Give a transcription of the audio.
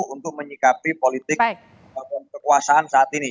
untuk menyikapi politik kekuasaan saat ini